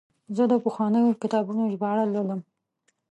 زه د پخوانیو کتابونو ژباړه لولم.